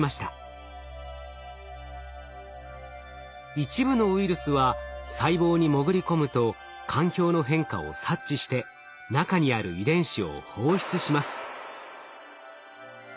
一部のウイルスは細胞に潜り込むと環境の変化を察知して中にある遺伝子を放出します。